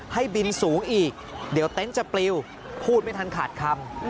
ให้บินสูงอีกเดี๋ยวเต็นต์จะปลิวพูดไม่ทันขาดคำ